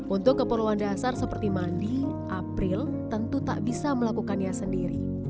untuk keperluan dasar seperti mandi april tentu tak bisa melakukannya sendiri